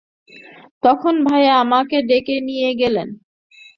তখন ভাইয়া আমাকে ডেকে নিয়ে গেলেন।